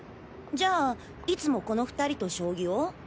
じゃあいつもこの２人と将棋を？